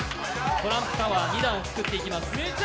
トランプタワー、２段を作っていきます。